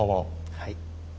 はい。